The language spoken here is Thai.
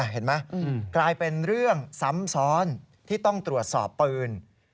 เห็นไหมกลายเป็นเรื่องซ้ำซ้อนที่ต้องตรวจสอบปืน